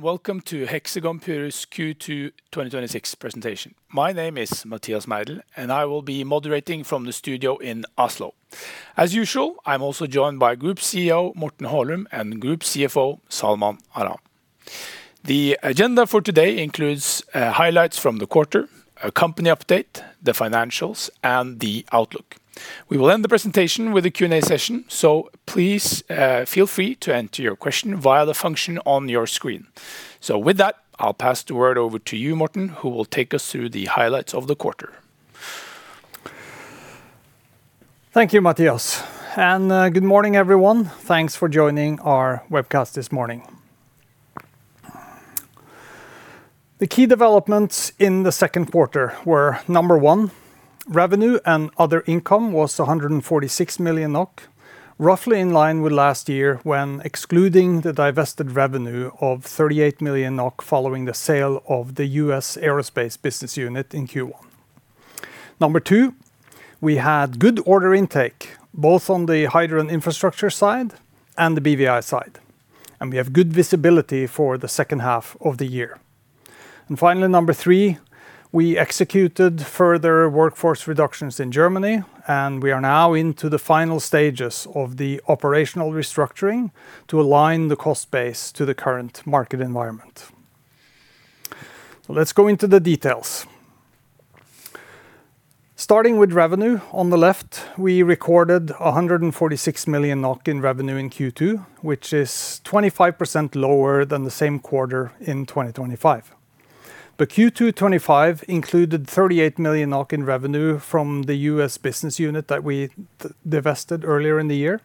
Welcome to Hexagon Purus Q2 2026 presentation. My name is Mathias Meidell, and I will be moderating from the studio in Oslo. As usual, I am also joined by Group CEO, Morten Holum, and Group CFO, Salman Alam. The agenda for today includes highlights from the quarter, a company update, the financials, and the outlook. We will end the presentation with a Q&A session. Please feel free to enter your question via the function on your screen. With that, I will pass the word over to you, Morten, who will take us through the highlights of the quarter. Thank you, Mathias. Good morning, everyone. Thanks for joining our webcast this morning. The key developments in the second quarter were, number one, revenue and other income was 146 million NOK, roughly in line with last year when excluding the divested revenue of 38 million NOK following the sale of the U.S. aerospace business unit in Q1. Number two, we had good order intake, both on the hydrogen infrastructure side and the BVI side, and we have good visibility for the second half of the year. Finally, number three, we executed further workforce reductions in Germany, and we are now into the final stages of the operational restructuring to align the cost base to the current market environment. Let's go into the details. Starting with revenue on the left, we recorded 146 million NOK in revenue in Q2, which is 25% lower than the same quarter in 2025. Q2 2025 included 38 million in revenue from the U.S. business unit that we divested earlier in the year.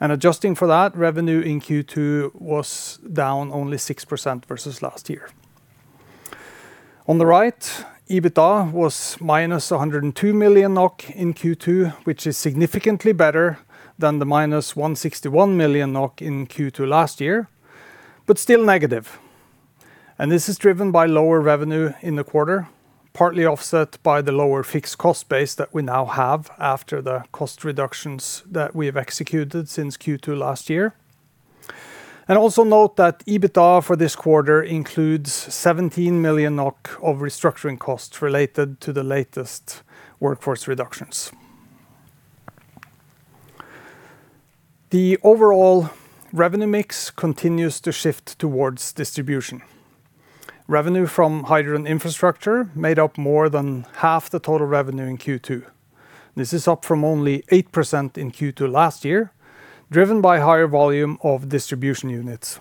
Adjusting for that, revenue in Q2 was down only 6% versus last year. On the right, EBITDA was -102 million NOK in Q2, which is significantly better than the -161 million NOK in Q2 last year, but still negative. This is driven by lower revenue in the quarter, partly offset by the lower fixed cost base that we have executed since Q2 last year. Also note that EBITDA for this quarter includes 17 million NOK of restructuring costs related to the latest workforce reductions. The overall revenue mix continues to shift towards distribution. Revenue from hydrogen infrastructure made up more than half the total revenue in Q2. This is up from only 8% in Q2 last year, driven by higher volume of distribution units.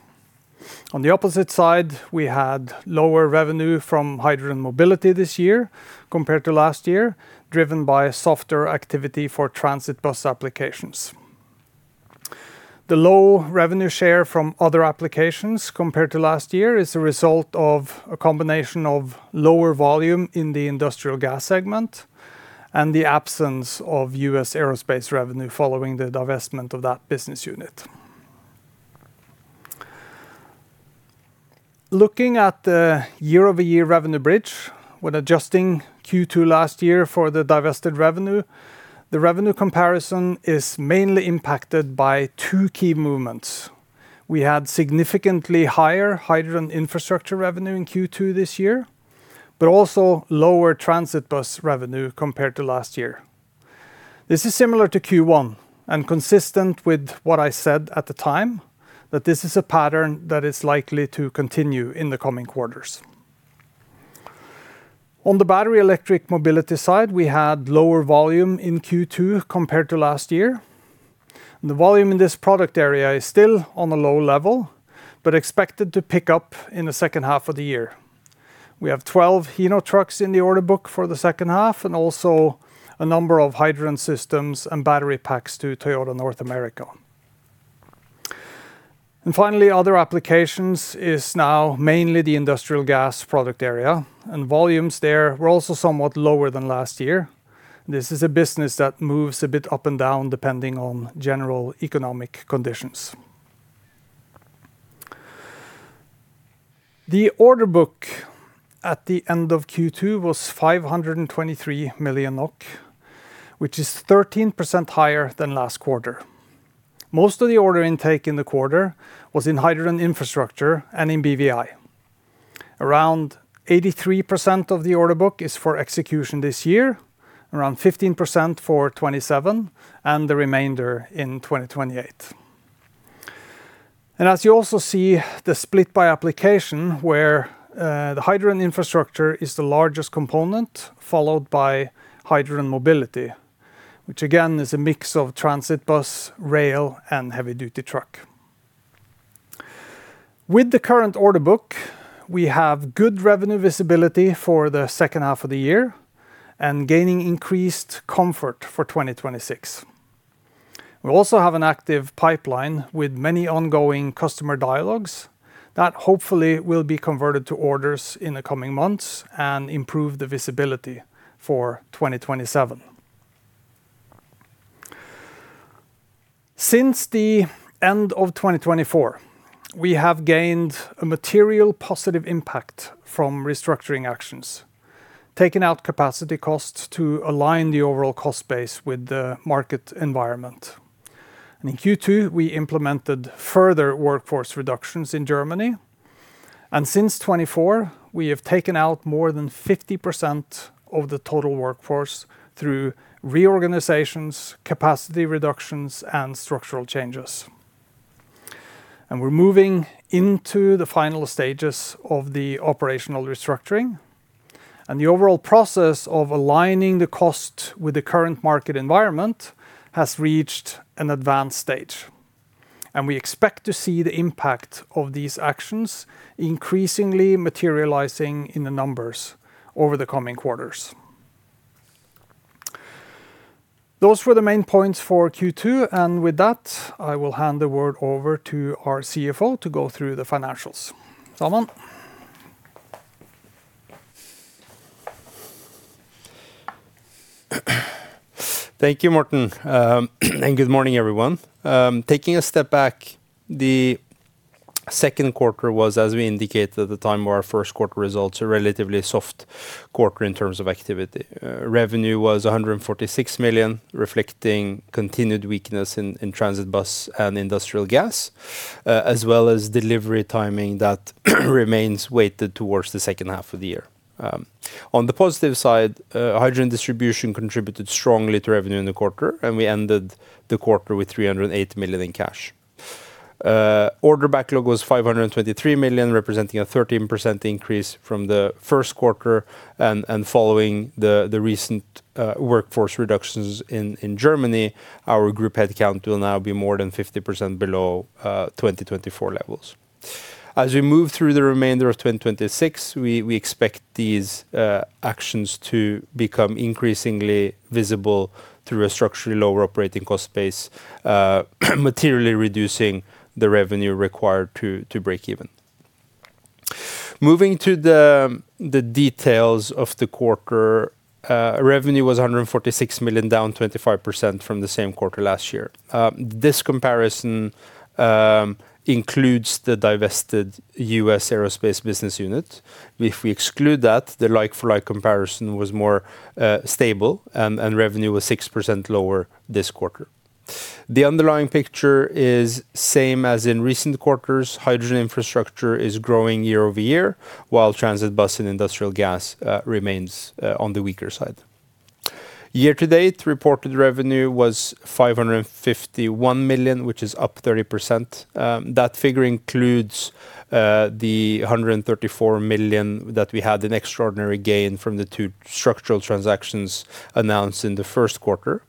On the opposite side, we had lower revenue from hydrogen mobility this year compared to last year, driven by softer activity for transit bus applications. The low revenue share from other applications compared to last year is a result of a combination of lower volume in the industrial gas segment and the absence of U.S. aerospace revenue following the divestment of that business unit. Looking at the year-over-year revenue bridge with adjusting Q2 last year for the divested revenue, the revenue comparison is mainly impacted by two key movements. We had significantly higher hydrogen infrastructure revenue in Q2 this year, but also lower transit bus revenue compared to last year. This is similar to Q1 and consistent with what I said at the time, that this is a pattern that is likely to continue in the coming quarters. On the battery electric mobility side, we had lower volume in Q2 compared to last year. The volume in this product area is still on a low level, but expected to pick up in the second half of the year. We have 12 Hino trucks in the order book for the second half, also a number of hydrogen systems and battery packs to Toyota North America. Finally, other applications is now mainly the industrial gas product area, and volumes there were also somewhat lower than last year. This is a business that moves a bit up and down depending on general economic conditions. The order book at the end of Q2 was 523 million NOK, which is 13% higher than last quarter. Most of the order intake in the quarter was in hydrogen infrastructure and in BVI. Around 83% of the order book is for execution this year, around 15% for 2027, and the remainder in 2028. As you also see, the split by application where the hydrogen infrastructure is the largest component, followed by hydrogen mobility, which again is a mix of transit bus, rail, and heavy-duty truck. With the current order book, we have good revenue visibility for the second half of the year and gaining increased comfort for 2026. We also have an active pipeline with many ongoing customer dialogues that hopefully will be converted to orders in the coming months and improve the visibility for 2027. Since the end of 2024, we have gained a material positive impact from restructuring actions, taking out capacity costs to align the overall cost base with the market environment. In Q2, we implemented further workforce reductions in Germany. Since 2024, we have taken out more than 50% of the total workforce through reorganizations, capacity reductions, and structural changes. We're moving into the final stages of the operational restructuring. The overall process of aligning the cost with the current market environment has reached an advanced stage, and we expect to see the impact of these actions increasingly materializing in the numbers over the coming quarters. Those were the main points for Q2. With that, I will hand the word over to our CFO to go through the financials. Salman. Thank you, Morten. Good morning, everyone. Taking a step back, the second quarter was, as we indicated at the time of our first quarter results, a relatively soft quarter in terms of activity. Revenue was 146 million, reflecting continued weakness in transit bus and industrial gas, as well as delivery timing that remains weighted towards the second half of the year. On the positive side, hydrogen distribution contributed strongly to revenue in the quarter, and we ended the quarter with 308 million in cash. Order backlog was 523 million, representing a 13% increase from the first quarter. Following the recent workforce reductions in Germany, our group headcount will now be more than 50% below 2024 levels. As we move through the remainder of 2026, we expect these actions to become increasingly visible through a structurally lower operating cost base, materially reducing the revenue required to break even. Moving to the details of the quarter. Revenue was 146 million, down 25% from the same quarter last year. This comparison includes the divested U.S. aerospace business unit. If we exclude that, the like-for-like comparison was more stable, and revenue was 6% lower this quarter. The underlying picture is same as in recent quarters. Hydrogen infrastructure is growing year-over-year, while transit bus and industrial gas remains on the weaker side. Year-to-date, reported revenue was 551 million, which is up 30%. That figure includes the 134 million that we had an extraordinary gain from the two structural transactions announced in the first quarter.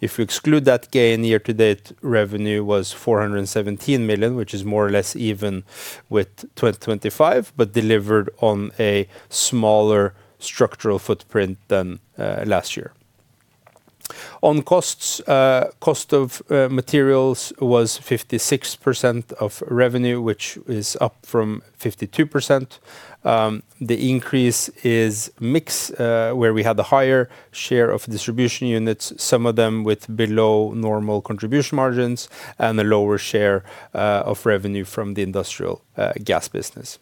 If we exclude that gain, year-to-date revenue was 417 million, which is more or less even with 2025, but delivered on a smaller structural footprint than last year. On costs, cost of materials was 56% of revenue, which is up from 52%. The increase is mix, where we had the higher share of distribution units, some of them with below normal contribution margins, and a lower share of revenue from the industrial gas business.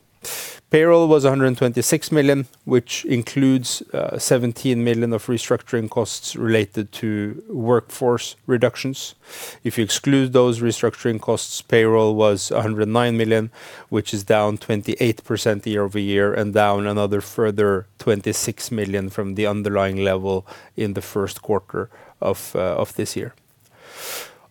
Payroll was 126 million, which includes 17 million of restructuring costs related to workforce reductions. If you exclude those restructuring costs, payroll was 109 million, which is down 28% year-over-year and down another further 26 million from the underlying level in the first quarter of this year.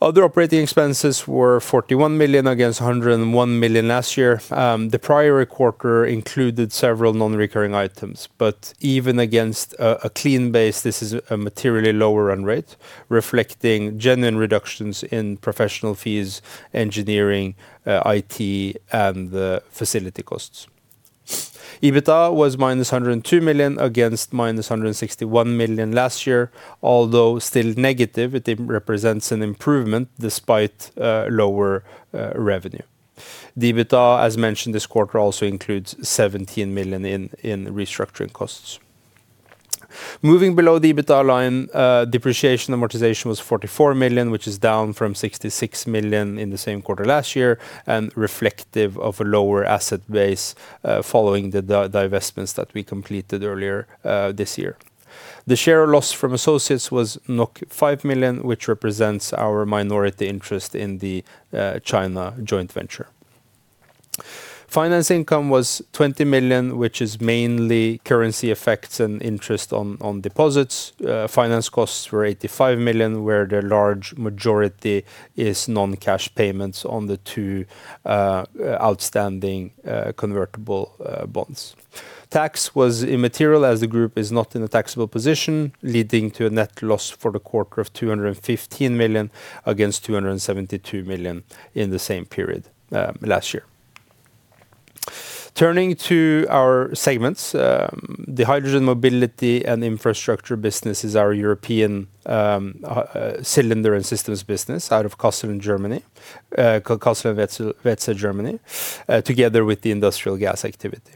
Other operating expenses were 41 million against 101 million last year. The prior quarter included several non-recurring items, but even against a clean base, this is a materially lower run rate, reflecting genuine reductions in professional fees, engineering, IT, and the facility costs. EBITDA was -102 million against -161 million last year. Although still negative, it represents an improvement despite lower revenue. The EBITDA, as mentioned this quarter, also includes 17 million in restructuring costs. Moving below the EBITDA line, depreciation amortization was 44 million, which is down from 66 million in the same quarter last year, and reflective of a lower asset base following the divestments that we completed earlier this year. The share loss from associates was 5 million, which represents our minority interest in the China joint venture. Finance income was 20 million, which is mainly currency effects and interest on deposits. Finance costs were 85 million, where the large majority is non-cash payments on the two outstanding convertible bonds. Tax was immaterial as the group is not in a taxable position, leading to a net loss for the quarter of 215 million against 272 million in the same period last year. Turning to our segments. The Hydrogen Mobility & Infrastructure business is our European cylinder and systems business out of Kassel in Germany, Kassel and Weeze, Germany, together with the industrial gas activity.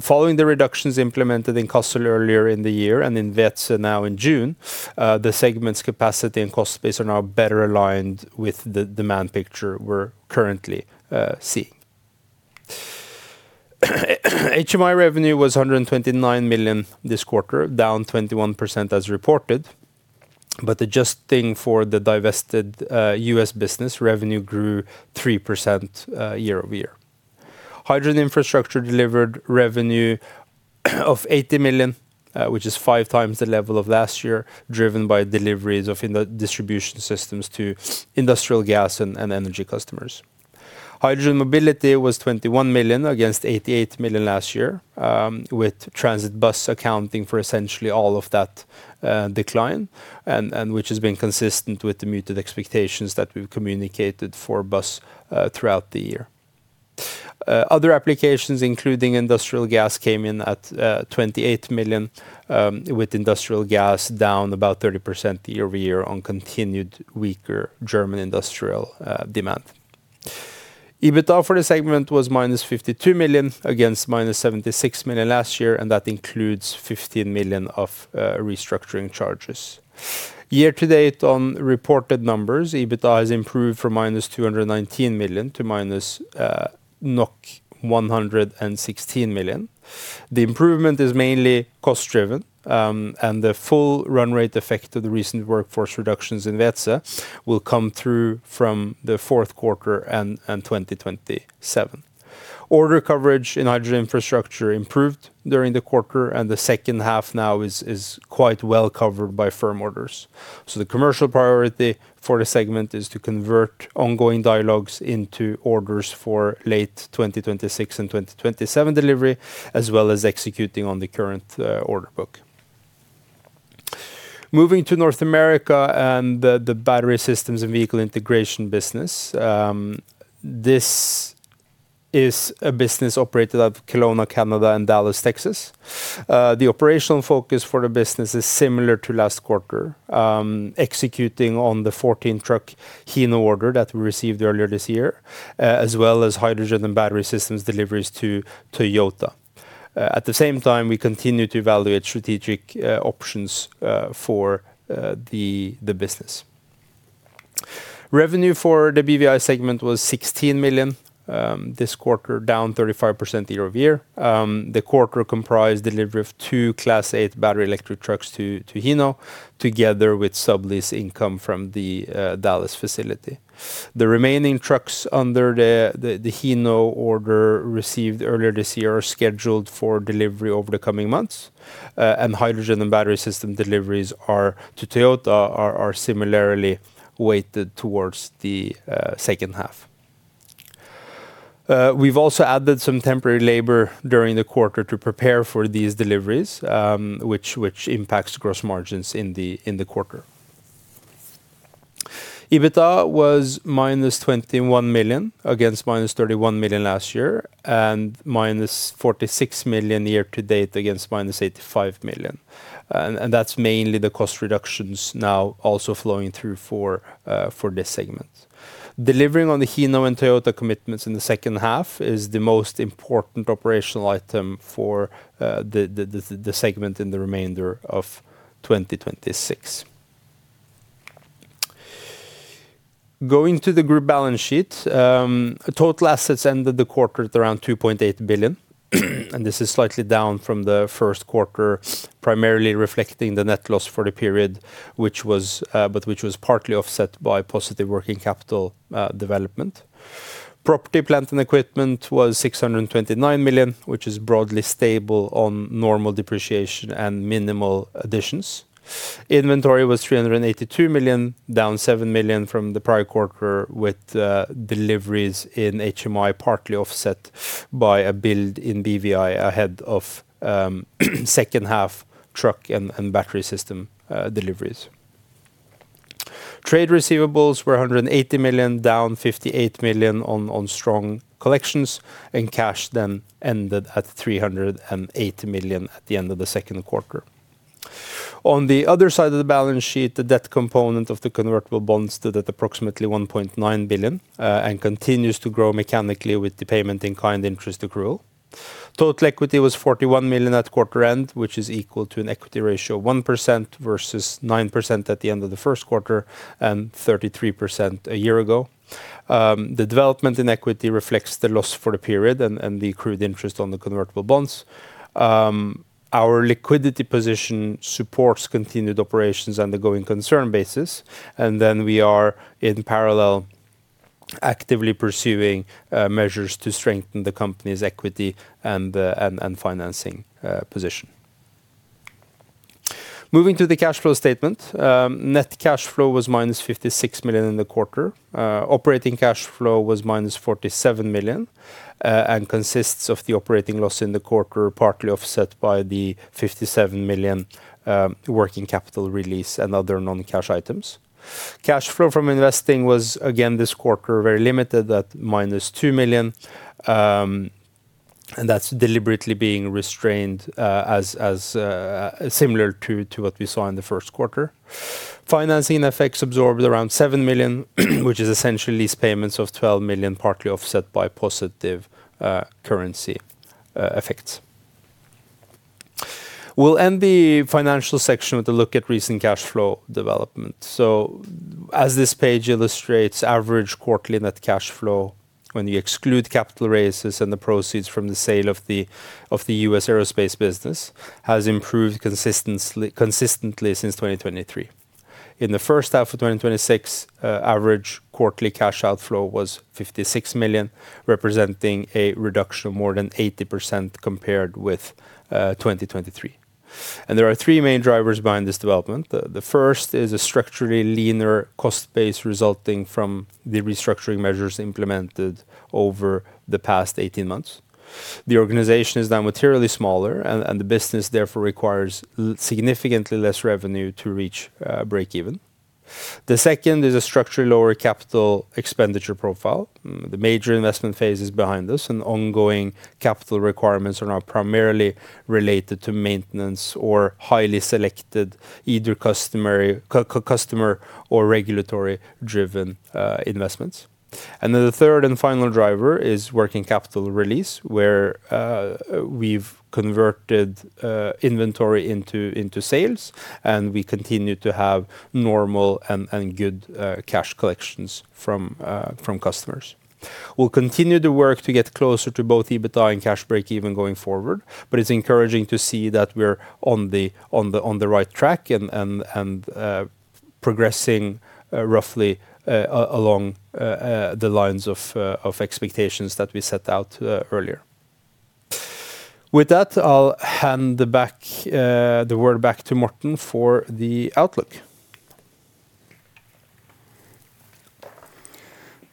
Following the reductions implemented in Kassel earlier in the year and in Weeze now in June, the segment's capacity and cost base are now better aligned with the demand picture we're currently seeing. HMI revenue was 129 million this quarter, down 21% as reported. The just thing for the divested U.S. business revenue grew 3% year-over-year. Hydrogen infrastructure delivered revenue of 80 million, which is 5x the level of last year, driven by deliveries of distribution systems to industrial gas and energy customers. Hydrogen mobility was 21 million against 88 million last year, with transit bus accounting for essentially all of that decline, which has been consistent with the muted expectations that we've communicated for bus throughout the year. Other applications, including industrial gas, came in at 28 million, with industrial gas down about 30% year-over-year on continued weaker German industrial demand. EBITDA for the segment was -52 million against -76 million last year, and that includes 15 million of restructuring charges. Year-to-date on reported numbers, EBITDA has improved from -219 million--116 million NOK. The improvement is mainly cost-driven, and the full run rate effect of the recent workforce reductions in Weeze, will come through from the fourth quarter and 2027. Order coverage in hydrogen infrastructure improved during the quarter, the second half now is quite well covered by firm orders. The commercial priority for the segment is to convert ongoing dialogues into orders for late 2026 and 2027 delivery, as well as executing on the current order book. Moving to North America and the Battery Systems & Vehicle Integration business. This is a business operated out of Kelowna, Canada and Dallas, Texas. The operational focus for the business is similar to last quarter, executing on the 14-truck Hino order that we received earlier this year, as well as hydrogen and battery systems deliveries to Toyota. At the same time, we continue to evaluate strategic options for the business. Revenue for the BVI segment was 16 million this quarter, down 35% year-over-year. The quarter comprised delivery of two Class 8 battery electric trucks to Hino, together with sublease income from the Dallas facility. The remaining trucks under the Hino order received earlier this year are scheduled for delivery over the coming months. Hydrogen and battery system deliveries to Toyota are similarly weighted towards the second half. We've also added some temporary labor during the quarter to prepare for these deliveries, which impacts gross margins in the quarter. EBITDA was -21 million against -31 million last year, and -46 million year-to-date against -85 million. That's mainly the cost reductions now also flowing through for this segment. Delivering on the Hino and Toyota commitments in the second half is the most important operational item for the segment in the remainder of 2026. Going to the group balance sheet. Total assets ended the quarter at around 2.8 billion, this is slightly down from the first quarter, primarily reflecting the net loss for the period, but which was partly offset by positive working capital development. Property, plant, and equipment was 629 million, which is broadly stable on normal depreciation and minimal additions. Inventory was 382 million, down 7 million from the prior quarter, with deliveries in HMI partly offset by a build in BVI ahead of second-half truck and battery system deliveries. Trade receivables were 180 million, down 58 million on strong collections, cash then ended at 380 million at the end of the second quarter. On the other side of the balance sheet, the debt component of the convertible bonds stood at approximately 1.9 billion and continues to grow mechanically with the payment in kind interest accrual. Total equity was 41 million at quarter end, which is equal to an equity ratio of 1% versus 9% at the end of the first quarter and 33% a year ago. The development in equity reflects the loss for the period and the accrued interest on the convertible bonds. Our liquidity position supports continued operations on the going concern basis, and then we are in parallel, actively pursuing measures to strengthen the company's equity and financing position. Moving to the cash flow statement. Net cash flow was -56 million in the quarter. Operating cash flow was -47 million and consists of the operating loss in the quarter, partly offset by the 57 million working capital release and other non-cash items. Cash flow from investing was, again, this quarter, very limited at -2 million, and that's deliberately being restrained as similar to what we saw in the first quarter. Financing effects absorbed around 7 million, which is essentially lease payments of 12 million, partly offset by positive currency effects. We'll end the financial section with a look at recent cash flow development. As this page illustrates, average quarterly net cash flow when you exclude capital raises and the proceeds from the sale of the U.S. aerospace business, has improved consistently since 2023. In the first half of 2026, average quarterly cash outflow was 56 million, representing a reduction of more than 80% compared with 2023. There are three main drivers behind this development. The first is a structurally leaner cost base resulting from the restructuring measures implemented over the past 18 months. The organization is now materially smaller and the business therefore requires significantly less revenue to reach breakeven. The second is a structurally lower capital expenditures. The major investment phase is behind this, and ongoing capital requirements are now primarily related to maintenance or highly selected, either customer or regulatory-driven investments. The third and final driver is working capital release, where we've converted inventory into sales, and we continue to have normal and good cash collections from customers. We'll continue to work to get closer to both EBITDA and cash breakeven going forward, but it's encouraging to see that we're on the right track and progressing roughly along the lines of expectations that we set out earlier. With that, I'll hand the word back to Morten for the outlook.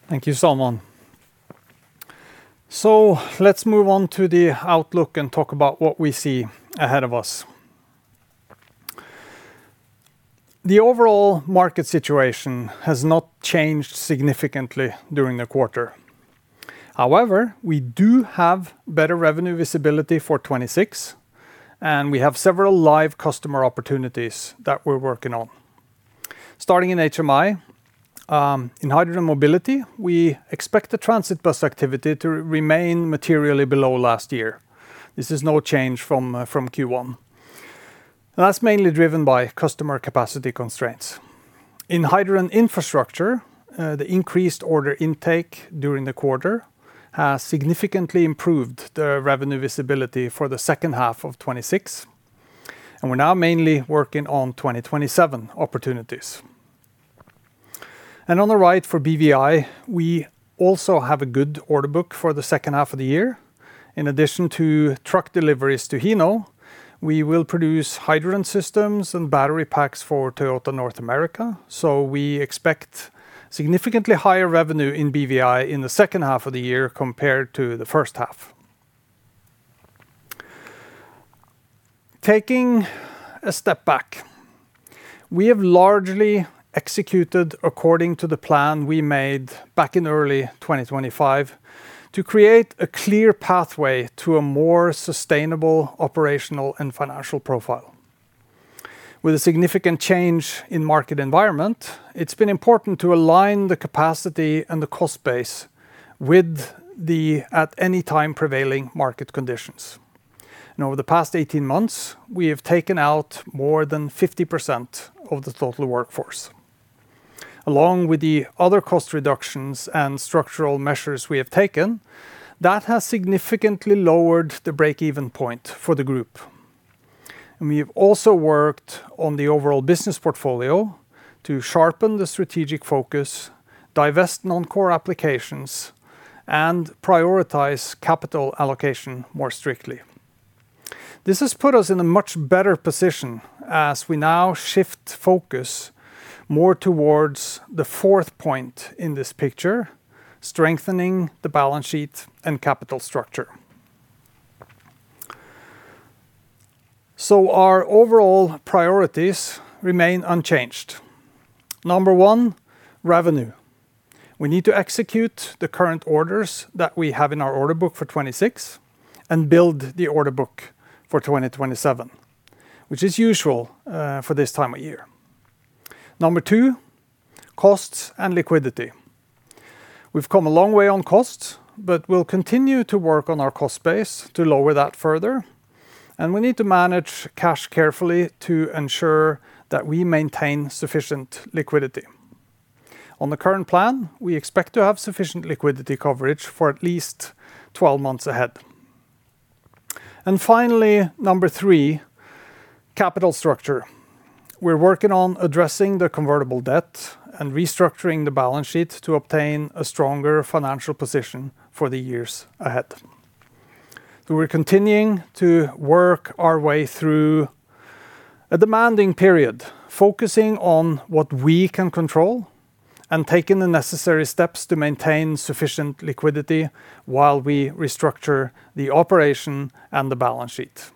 Thank you, Salman. Let's move on to the outlook and talk about what we see ahead of us. The overall market situation has not changed significantly during the quarter. However, we do have better revenue visibility for 2026, and we have several live customer opportunities that we're working on. Starting in HMI, in hydrogen mobility, we expect the transit bus activity to remain materially below last year. This is no change from Q1. That's mainly driven by customer capacity constraints. In hydrogen infrastructure, the increased order intake during the quarter has significantly improved the revenue visibility for the second half of 2026, and we're now mainly working on 2027 opportunities. On the right for BVI, we also have a good order book for the second half of the year. In addition to truck deliveries to Hino, we will produce hydrogen systems and battery packs for Toyota North America. We expect significantly higher revenue in BVI in the second half of the year compared to the first half. Taking a step back, we have largely executed according to the plan we made back in early 2025 to create a clear pathway to a more sustainable operational and financial profile. With a significant change in market environment, it's been important to align the capacity and the cost base with the at any time prevailing market conditions. Over the past 18 months, we have taken out more than 50% of the total workforce. Along with the other cost reductions and structural measures we have taken, that has significantly lowered the breakeven point for the group. We have also worked on the overall business portfolio to sharpen the strategic focus, divest non-core applications, and prioritize capital allocation more strictly. This has put us in a much better position as we now shift focus more towards the fourth point in this picture, strengthening the balance sheet and capital structure. Our overall priorities remain unchanged. Number one, revenue. We need to execute the current orders that we have in our order book for 2026 and build the order book for 2027, which is usual for this time of year. Number two, costs and liquidity. We've come a long way on costs, but we'll continue to work on our cost base to lower that further, and we need to manage cash carefully to ensure that we maintain sufficient liquidity. On the current plan, we expect to have sufficient liquidity coverage for at least 12 months ahead. Finally, Number three, capital structure. We're working on addressing the convertible debt and restructuring the balance sheet to obtain a stronger financial position for the years ahead. We're continuing to work our way through a demanding period, focusing on what we can control and taking the necessary steps to maintain sufficient liquidity while we restructure the operation and the balance sheet.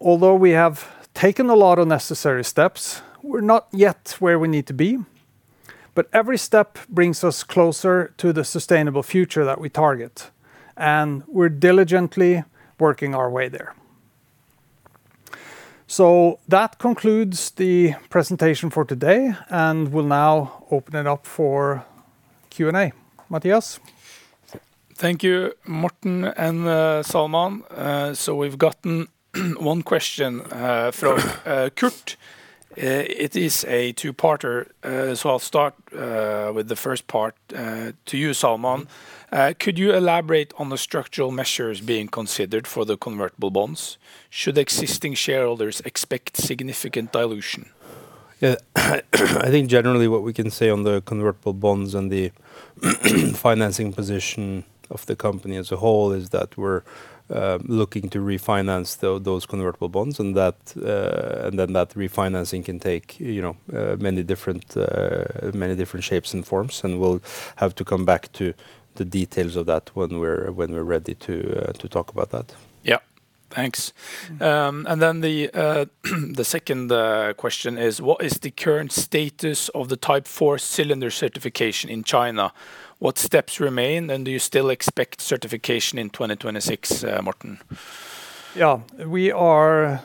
Although we have taken a lot of necessary steps, we're not yet where we need to be, but every step brings us closer to the sustainable future that we target, and we're diligently working our way there. That concludes the presentation for today, and we'll now open it up for Q&A. Mathias? Thank you, Morten and Salman. We've gotten one question from Kurt. It is a two-parter, so I'll start with the first part to you, Salman. Could you elaborate on the structural measures being considered for the convertible bonds? Should existing shareholders expect significant dilution? I think generally what we can say on the convertible bonds and the financing position of the company as a whole is that we're looking to refinance those convertible bonds, that refinancing can take many different shapes and forms, we'll have to come back to the details of that when we're ready to talk about that. Yeah. Thanks. The second question is, what is the current status of the Type 4 cylinder certification in China? What steps remain, and do you still expect certification in 2026, Morten? We are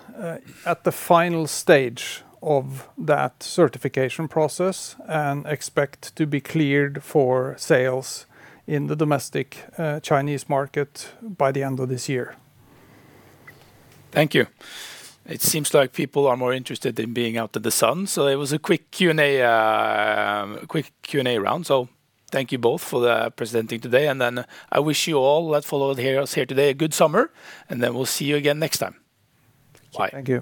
at the final stage of that certification process and expect to be cleared for sales in the domestic Chinese market by the end of this year. Thank you. It seems like people are more interested in being out in the sun. It was a quick Q&A round. Thank you both for presenting today, I wish you all that followed us here today a good summer, we'll see you again next time. Bye. Thank you.